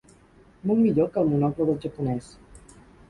Molt millor que el monocle del japonès.